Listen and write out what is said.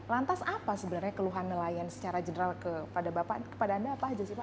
lantas apa sebenarnya keluhan nelayan secara general kepada bapak kepada anda apa aja sih pak